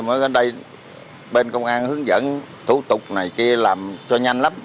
mới đến đây bên công an hướng dẫn thủ tục này kia làm cho nhanh lắm